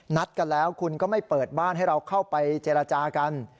นัดกันแล้วคุณก็ไม่เปิดบ้านให้เราเข้าไปเจรจากัน